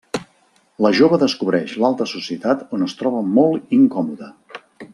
La jove descobreix l'alta societat on es troba molt incòmoda.